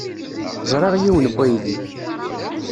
Ẓriɣ yiwen n uydi.